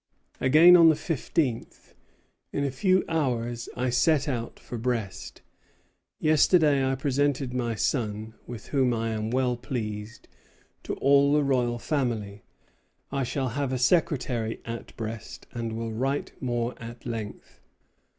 Again, on the fifteenth: "In a few hours I set out for Brest. Yesterday I presented my son, with whom I am well pleased, to all the royal family. I shall have a secretary at Brest, and will write more at length."